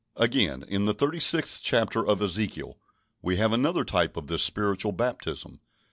Again, in the thirty sixth chapter of Ezekiel, we have another type of this spiritual baptism.